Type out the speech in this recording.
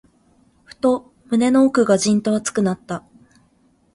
ふと、胸の奥がじんと熱くなった。